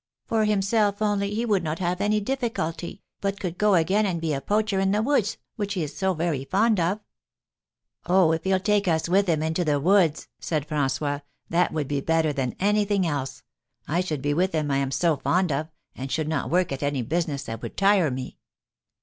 For himself only he would not have any difficulty, but could go again and be a poacher in the woods which he is so very fond of." "Oh, if he'll take us with him into the woods," said François, "that would be better than anything else. I should be with him I am so fond of, and should not work at any business that would tire me."